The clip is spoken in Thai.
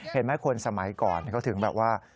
เห็นไหมคนสมัยก่อนเขาถึงแบบว่า